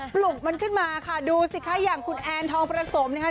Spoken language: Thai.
ลุกมันขึ้นมาค่ะดูสิคะอย่างคุณแอนทองประสมนะคะ